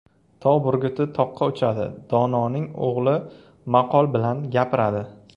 • Tog‘ burguti toqqa uchadi, dononing o‘g‘li maqol bilan gapiradi.